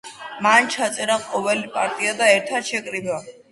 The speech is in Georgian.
მან ჩაწერა ყოველი პარტია და ერთად შეკრიბა.